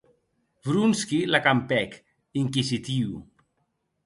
Vronsky la campèc, inquisitiu.